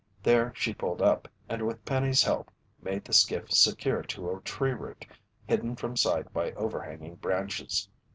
There she pulled up, and with Penny's help made the skiff secure to a tree root hidden from sight by overhanging branches.